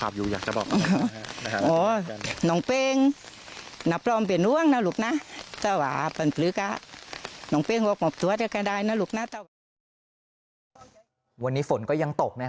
วันนี้ฝนก็ยังตก